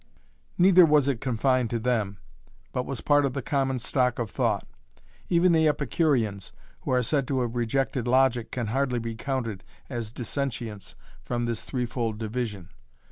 Neither was it confined to them, but was part of the common stock of thought. Even the Epicureans, who are said to have rejected logic can hardly be counted as dissentients from this threefold division.